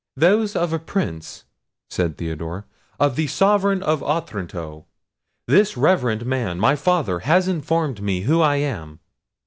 "Those of a Prince," said Theodore; "of the sovereign of Otranto. This reverend man, my father, has informed me who I am."